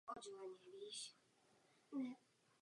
Hlavním úkolem lodí této třídy byl protiponorkový boj.